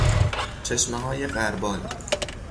چشمههای غربال